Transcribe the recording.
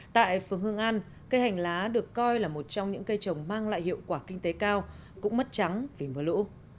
tại phường hương an cây hành lá được coi là một trong những cây trồng mang lại hiệu quả kinh tế cao cũng mất trắng vì mưa lũ